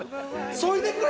そいでくれ。